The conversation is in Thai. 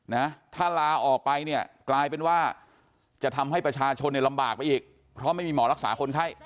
นะถ้าลาออกไปเนี่ยกลายเป็นว่าจะทำให้ประชาชนเนี่ยลำบากไปอีกเพราะไม่มีหมอรักษาคนไข้